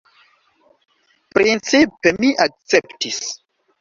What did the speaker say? Principe mi akceptis.